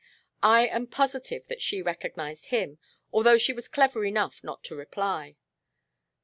I am positive that she recognized him, although she was clever enough not to reply."